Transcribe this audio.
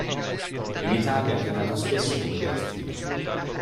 In Italia chiamato spesso come delfino.